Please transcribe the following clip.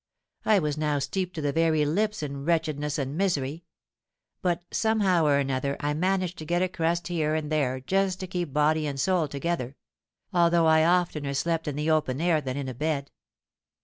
I was now steeped to the very lips in wretchedness and misery: but somehow or another I managed to get a crust here and there just to keep body and soul together—although I oftener slept in the open air than in a bed.